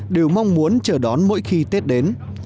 đều mong muốn chờ đón mỗi khi tết đến